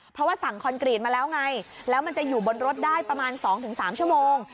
เพราะว่าสั่งคอนกรีตมาแล้วไงแล้วมันจะอยู่บนรถได้ประมาณ๒๓ชั่วโมง